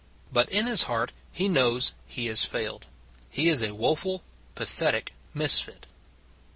But in his heart he knows he has failed; he is, a woeful, pathetic misfit.